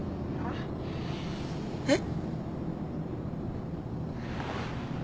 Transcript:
えっ？